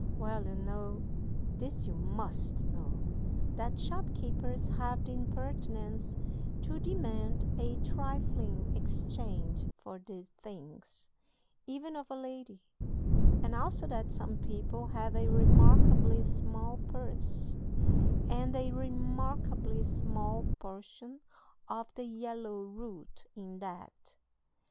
Well, you know (this you must know) that shopkeepers have the impertinence to demand a trifling exchange for these things, even of a lady; and also that some people have a remarkably small purse, and a remarkably small portion of the yellow "root" in that.